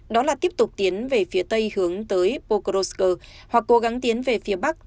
đó là tiếp tục tiến về phía tây hướng tới pokorosk hoặc cố gắng tiến về phía bắc